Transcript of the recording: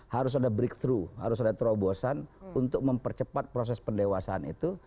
harus ada breakthrough harus ada terobosan untuk mempercepat proses pendewasaan itu